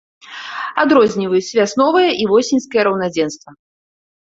Адрозніваюць вясновае і восеньскае раўнадзенства.